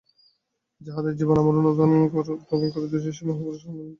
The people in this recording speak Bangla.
যাঁহাদের জীবন আমরা অনুধ্যান করিতেছি, সেই মহাপুরুষগণের নাম মহিমান্বিত হউক।